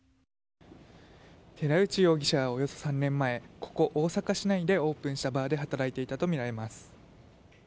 寺内容疑者はおよそ３年前、ここ大阪市内でオープンしたバーで働いていたとみられます。